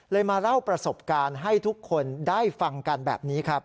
มาเล่าประสบการณ์ให้ทุกคนได้ฟังกันแบบนี้ครับ